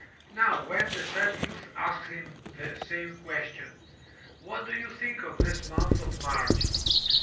Now, when the sad youth asked him the same question, "What do you think of this month of March?